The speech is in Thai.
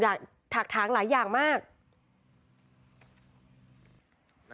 คือตอนที่แม่ไปโรงพักที่นั่งอยู่ที่สพ